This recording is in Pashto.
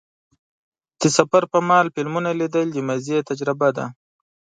د سفر پر مهال فلمونه لیدل د مزې تجربه ده.